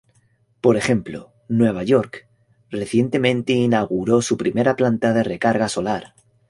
Por ejemplo, Nueva York recientemente inauguró su primera planta de recarga solar.